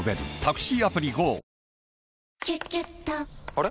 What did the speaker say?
あれ？